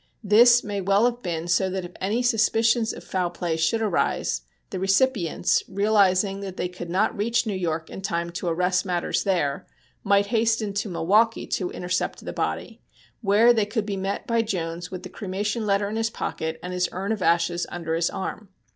This may well have been so that if any suspicions of foul play should arise, the recipients, realizing that they could not reach New York in time to arrest matters there, might hasten to Milwaukee to intercept the body, where they could be met by Jones with the cremation letter in his pocket and his urn of ashes under his arm.